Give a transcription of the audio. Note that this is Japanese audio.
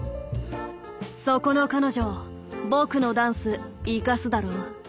「そこの彼女僕のダンスいかすだろ」。